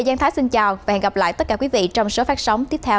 giang thái xin chào và hẹn gặp lại tất cả quý vị trong số phát sóng tiếp theo